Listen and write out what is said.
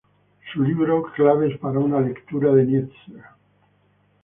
Su libro "Claves para una lectura de Nietzsche.